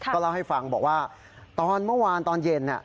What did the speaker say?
ก็เล่าให้ฟังบอกว่าตอนเมื่อวานตอนเย็น